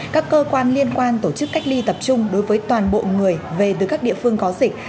các cơ quan liên quan tổ chức cách ly tập trung đối với toàn bộ người về từ các địa phương có dịch